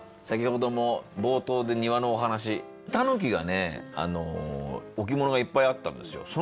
先ほども冒頭で庭のお話タヌキがね置物がいっぱいあったんですよ。